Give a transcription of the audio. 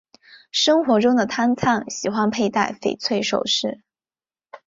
生活中的汤灿喜欢佩戴翡翠首饰。